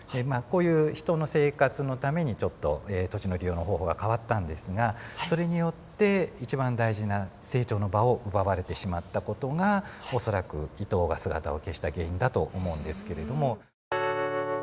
まあこういう人の生活のためにちょっと土地の利用の方法が変わったんですがそれによって一番大事な成長の場を奪われてしまった事が恐らくイトウが姿を消した原因だと思うんですけれども。